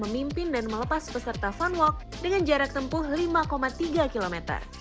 memimpin dan melepas peserta fun walk dengan jarak tempuh lima tiga km